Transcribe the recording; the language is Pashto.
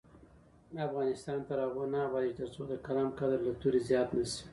افغانستان تر هغو نه ابادیږي، ترڅو د قلم قدر له تورې زیات نه شي.